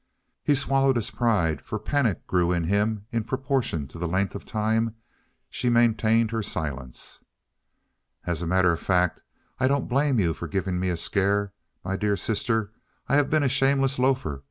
He swallowed his pride, for panic grew in him in proportion to the length of time she maintained her silence. "As a matter of fact, I don't blame you for giving me a scare, my dear sister. I have been a shameless loafer.